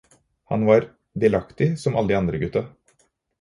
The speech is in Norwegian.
Han var delaktig som alle de andre gutta.